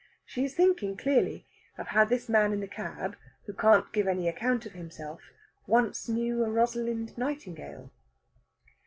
She is thinking, clearly, of how this man in the cab, who can't give any account of himself, once knew a Rosalind Nightingale.